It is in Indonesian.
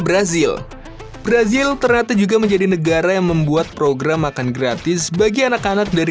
brazil brazil ternyata juga menjadi negara yang membuat program makan gratis bagi anak anak dari